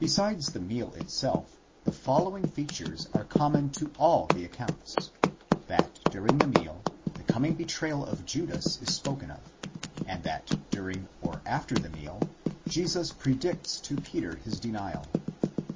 Besides the meal itself, the followmg features are common to all the accounts: that, during the meal, the coming betrayal by Judas is spoken of; and that, during or after the meal, Jesus predicts to Peter his denial.